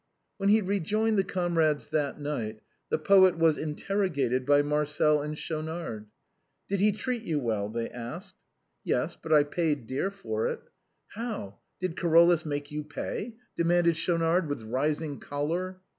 When he rejoined the comrades that night, the poet was interrogated by Marcel and Schaunard. " Did he treat you well ?" they asked. " Yes, but I paid dear for it." " How ! Did Carolus make you pay ?" demanded Schau nard, with rising color.